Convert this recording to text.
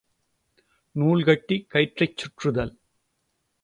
நூல் கட்டி கயிற்றைச் சுற்றுதல்.